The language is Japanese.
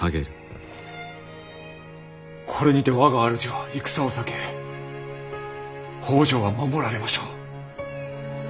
これにて我が主は戦を避け北条は守られましょう。